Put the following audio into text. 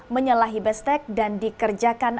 menyelahi bestek dan dikerjakan